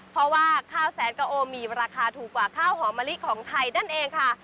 เพราะว่าข้าวแสนกะโอมีราคาถูกกว่าข้าวหอมมะลิของไทยนั่นเองค่ะ